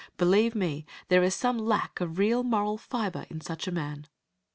Believe me, there is some lack of real moral fibre in such a man.